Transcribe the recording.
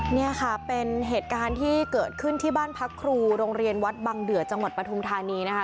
นี่ค่ะเป็นเหตุการณ์ที่เกิดขึ้นที่บ้านพักครูโรงเรียนวัดบังเดือจังหวัดปฐุมธานีนะคะ